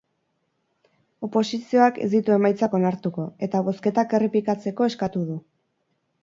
Oposizioak ez ditu emaitzak onartuko, eta bozketak errepikatzeko eskatu du.